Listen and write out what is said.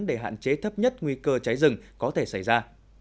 để hạn chế thấp nhất nguy cơ cháy rừng có thể xảy ra